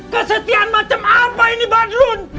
kesetiaan macam apa ini batrul